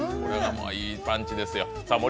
いいパンチですよ。